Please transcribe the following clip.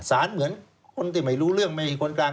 เหมือนคนที่ไม่รู้เรื่องไม่ใช่คนกลาง